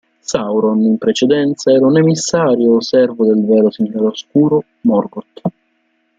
Sauron in precedenza era un emissario o servo del vero signore oscuro Morgoth.